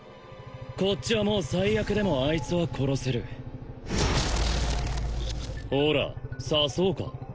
こっちはもう最悪でもあいつは殺せるほら刺そうか？